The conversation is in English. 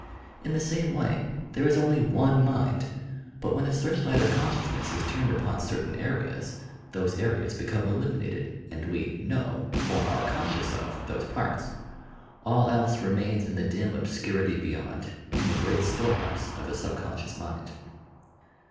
In the same way there is only one mtjid, but when the searchlight of consciousness is turned upon certain areas, those areas become illuminated, and we "know," or are conscious of, those parts. All else re mains in the dim obscurity beyond, in the great store house of the subconscious mind.